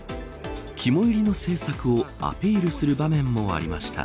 肝いりの政策をアピールする場面もありました。